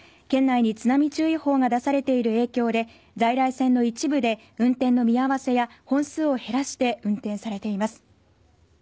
県内に津波注意報が出されている影響で在来線の一部で運転の見合わせや本数を減らして運転されています。